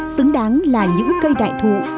xứng đáng là những cây đại thụ